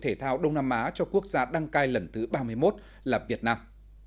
thể thao đông nam á cho quốc gia đăng cai lần thứ ba mươi một là việt nam